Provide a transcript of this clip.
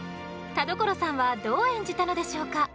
田所さんはどう演じたのでしょうか？